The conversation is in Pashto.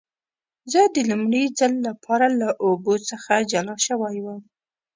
زه د لومړي ځل لپاره له اوبو څخه جلا شوی وم.